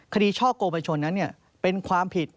คดีช่อกโกมชนนั้นเนี่ยเป็นความผิด